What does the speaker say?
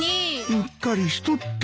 うっかりしとった。